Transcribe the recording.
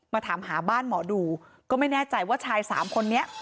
ถามหาบ้านหมอดูก็ไม่แน่ใจว่าชายสามคนนี้